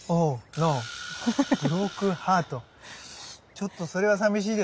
ちょっとそれはさみしいですね。